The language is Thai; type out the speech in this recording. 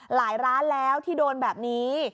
หลายร้านแล้วที่โดนแบบนี้